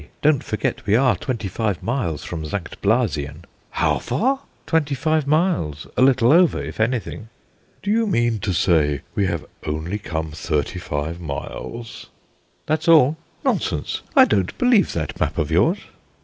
Don't forget we are twenty five miles from St. Blasien." "How far?" "Twenty five miles, a little over if anything." "Do you mean to say we have only come thirty five miles?" "That's all." "Nonsense. I don't believe that map of yours."